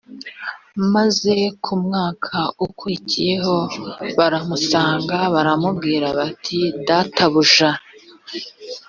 maze mu mwaka ukurikiyeho baramusanga baramubwira bati databuja